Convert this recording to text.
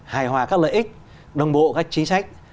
hài hòa các lợi ích đồng bộ các chính sách